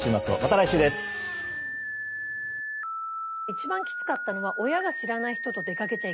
一番きつかったのはえーっ！